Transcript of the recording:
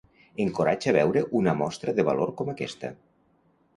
Encoratja veure una mostra de valor com aquesta.